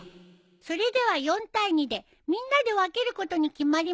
それでは４対２でみんなで分けることに決まりました。